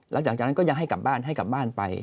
แล้วหลังจากนั้นก็ยังให้กลับบ้านให้กลับบ้านไป